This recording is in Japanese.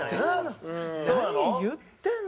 何言ってるの。